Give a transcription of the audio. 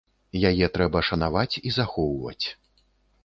Яе трэба шанаваць і захоўваць.